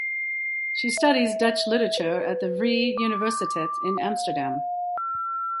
She studies Dutch literature at the Vrije Universiteit in Amsterdam.